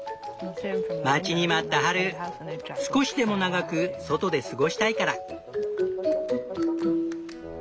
待ちに待った春少しでも長く外で過ごしたいから。